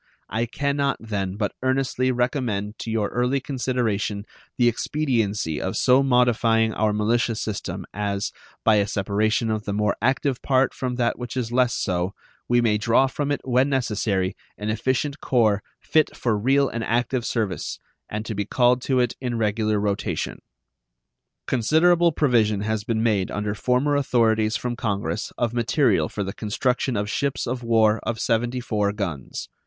I can not, then, but earnestly recommend to your early consideration the expediency of so modifying our militia system as, by a separation of the more active part from that which is less so, we may draw from it when necessary an efficient corps fit for real and active service, and to be called to it in regular rotation. Considerable provision has been made under former authorities from Congress of material for the construction of ships of war of 74 guns.